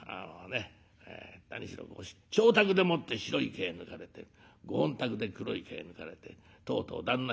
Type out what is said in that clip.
何しろご妾宅でもって白い毛抜かれてご本宅で黒い毛抜かれてとうとう旦那